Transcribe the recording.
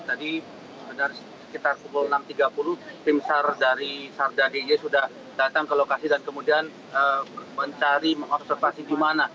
tadi sebenarnya sekitar pukul enam tiga puluh tim sar dari sar dadj sudah datang ke lokasi dan kemudian mencari mengobservasi di mana